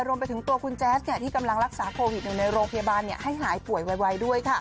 รวมไปถึงตัวคุณแจ๊สที่กำลังรักษาโควิดอยู่ในโรงพยาบาลให้หายป่วยไวด้วยค่ะ